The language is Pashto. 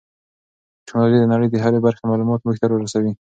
ټیکنالوژي د نړۍ د هرې برخې معلومات موږ ته را رسوي.